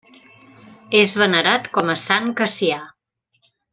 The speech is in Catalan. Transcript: És venerat com a Sant Cassià.